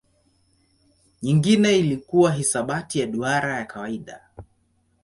Nyingine ilikuwa hisabati ya duara ya kawaida.